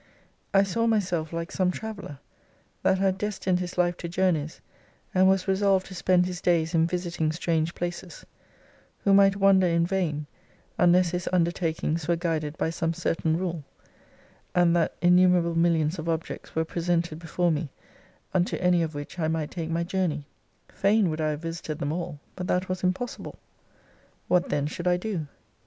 I saw myself like some traveller, that had destined his life to journeys, and was resolved to spend his days in visit ing strange places : who might wander in vain, unless his undertakings were guided by some certain rule, and that innumerable millions of objects were presented before mc, unto any of which I might take my journey. Fain would I have visited them all, but that was impossible. What then should I do